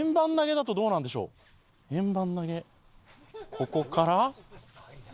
ここから。